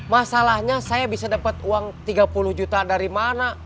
masalahnya saya bisa dapat uang tiga puluh juta dari mana